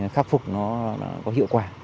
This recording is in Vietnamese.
khắc phục nó có hiệu quả